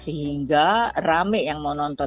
sehingga rame yang mau nonton